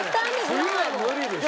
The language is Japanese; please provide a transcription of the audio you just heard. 冬は無理でしょ。